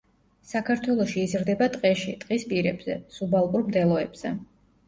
საქართველოში იზრდება ტყეში, ტყის პირებზე, სუბალპურ მდელოებზე.